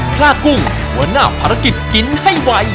พระกุ้งหัวหน้าภารกิจกินให้ไว